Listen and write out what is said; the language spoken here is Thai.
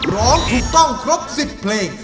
ร้องถูกต้องครบ๑๐เพลง